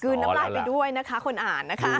น้ำลายไปด้วยนะคะคนอ่านนะคะ